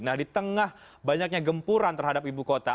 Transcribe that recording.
nah di tengah banyaknya gempuran terhadap ibu kota